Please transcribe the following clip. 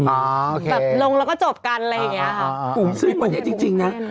โอเคแบบลงแล้วก็จบกันอะไรอย่างนี้ครับ